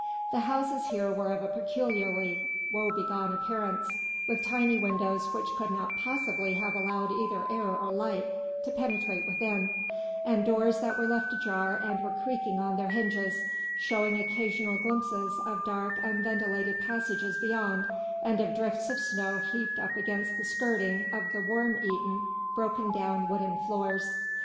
The houses here were of a peculiarly woe begone appearance, with tiny windows which could not possibly have allowed either air or light to penetrate within, and doors that were left ajar and were creaking on their hinges, showing occasional glimpses of dark unventilated passages beyond and of drifts of snow heaped up against the skirting of the worm eaten, broken down wooden floors.